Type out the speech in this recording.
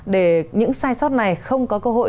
để những sai sót này không có cơ hội